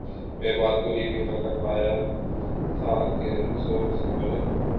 میں بات پوری بھی نہ کرپا یا تھا کہ زور سے بولے